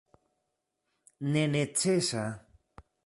nenecesa